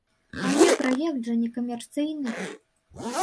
Але праект жа некамерцыйны.